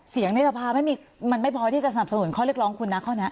ในสภามันไม่พอที่จะสนับสนุนข้อเรียกร้องคุณนะข้อนี้